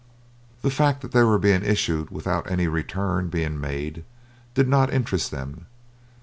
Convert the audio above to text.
The fact that they were being issued without any return being made, did not interest them.